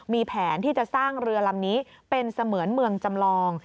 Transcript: มีแผนที่จะสร้างเรือลำนี้เป็นเสมือนเมืองจำลอง